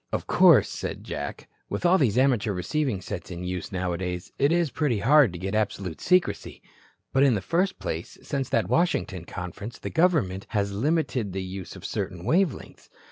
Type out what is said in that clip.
"Of course," said Jack, "with all these amateur receiving sets in use nowadays it is pretty hard to get absolute secrecy. But, in the first place, since that Washington conference, the government has limited the use of certain wave lengths.